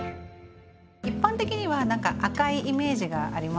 一般的には何か赤いイメージがありますよね。